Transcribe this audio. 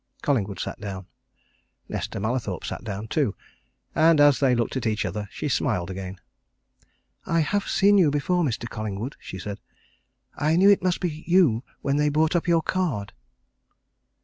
Collingwood sat down; Nesta Mallathorpe sat down, too, and as they looked at each other she smiled again. "I have seen you before, Mr. Collingwood," she said. "I knew it must be you when they brought up your card."